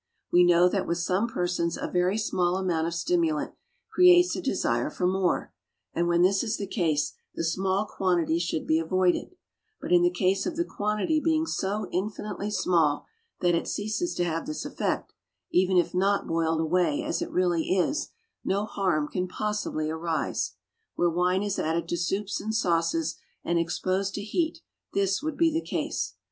We know that with some persons a very small amount of stimulant creates a desire for more, and when this is the case the small quantity should be avoided; but in the case of the quantity being so infinitely small that it ceases to have this effect, even if not boiled away as it really is, no harm can possibly arise. Where wine is added to soups and sauces and exposed to heat, this would be the case.